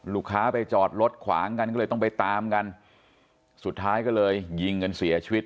ไปจอดรถขวางกันก็เลยต้องไปตามกันสุดท้ายก็เลยยิงกันเสียชีวิต